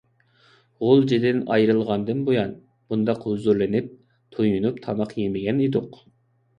غۇلجىدىن ئايرىلغاندىن بۇيان ، مۇنداق ھۇزۇرلىنىپ، تويۇنۇپ تاماق يېمىگەن ئىدۇق .